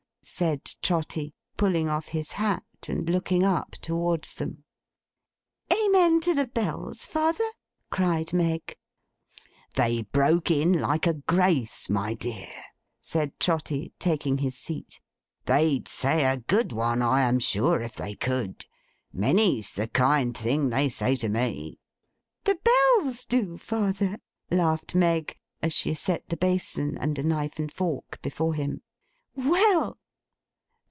said Trotty, pulling off his hat and looking up towards them. 'Amen to the Bells, father?' cried Meg. 'They broke in like a grace, my dear,' said Trotty, taking his seat. 'They'd say a good one, I am sure, if they could. Many's the kind thing they say to me.' 'The Bells do, father!' laughed Meg, as she set the basin, and a knife and fork, before him. 'Well!